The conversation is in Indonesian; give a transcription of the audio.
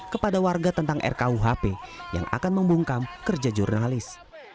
kepada warga tentang rkuhp yang akan membungkam kerja jurnalis